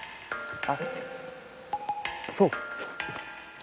あっそう。